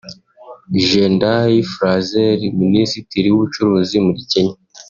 Jendai Frazer; Minisitiri w’Ubucuruzi muri Kenya